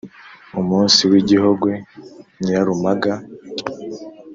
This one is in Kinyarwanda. umusizi w’i gihogwe nyirarumaga